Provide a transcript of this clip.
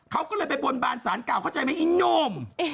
เขาก็เลยไปบนบานสารเก่าเข้าใจไหมอีหนุ่ม